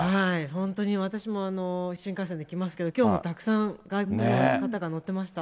本当に私も新幹線で来ますけど、きょうもたくさん外国の方が乗ってました。